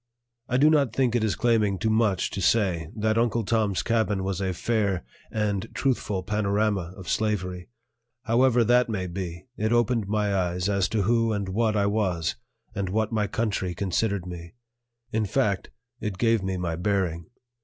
I do not think it is claiming too much to say that Uncle Tom's Cabin was a fair and truthful panorama of slavery; however that may be, it opened my eyes as to who and what I was and what my country considered me; in fact, it gave me my bearing.